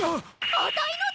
あたいのだ！